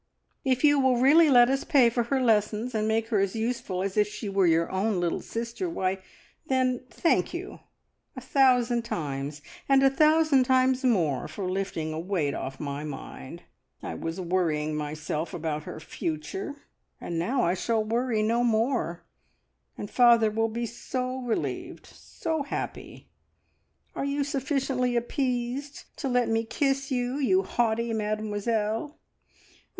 If you will really let us pay for her lessons and make her as useful as if she were your own little sister, why, then, thank you a thousand times, and a thousand times more for lifting a weight off my mind. I was worrying myself about her future, and now I shall worry no more, and father will be so relieved, so happy! Are you sufficiently appeased to let me kiss you, you haughty Mademoiselle?"